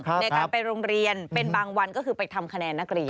ในการไปโรงเรียนเป็นบางวันก็คือไปทำคะแนนนักเรียน